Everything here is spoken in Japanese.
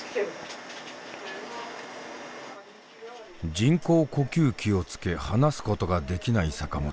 人工呼吸器をつけ話すことができない坂本さん。